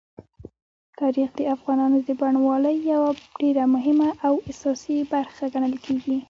تاریخ د افغانستان د بڼوالۍ یوه ډېره مهمه او اساسي برخه ګڼل کېږي.